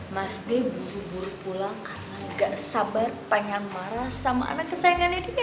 mas b buru buru pulang gak sabar pengen marah sama anak kesayangannya dia